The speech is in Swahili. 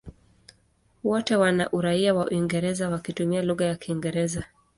Wote wana uraia wa Uingereza wakitumia lugha ya Kiingereza.